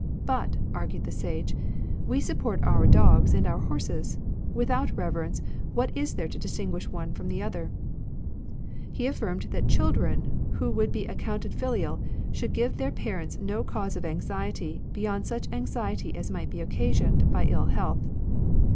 " But," argued the Sage, " we support, our dogs and our horses ; without reverence, what is there to distinguish one from the other ?" He affirmed that children who would be a>ccounted filial should give their parents no cause of anxiety beyond such anxiety as might be occa sioned by ill health.